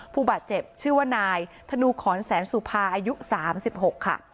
ผู้บาดเจ็บชื่อว่านายธนูขอนแสนสุภาอายุ๓๖ค่ะ